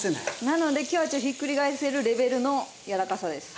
なので今日はひっくり返せるレベルのやわらかさです。